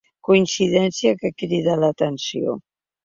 Coincidència que crida l’atenció.